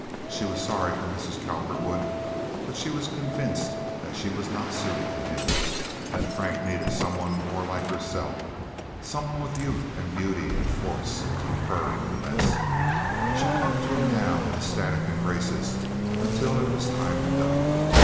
She was sorry for Mrs. Cowperwood, but she was convinced that she was not suited to him—that Frank needed some one more like herself, some one with youth and beauty and force—her, no less. She clung to him now in ecstatic embraces until it was time to go.